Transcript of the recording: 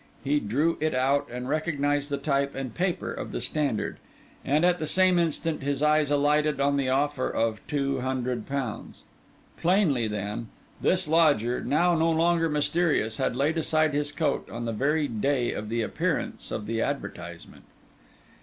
He drew it out, and recognised the type and paper of the Standard; and at the same instant, his eyes alighted on the offer of two hundred pounds. Plainly then, his lodger, now no longer mysterious, had laid aside his coat on the very day of the appearance of the advertisement.